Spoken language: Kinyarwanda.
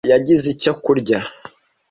Yosuwa yangize icyo kurya.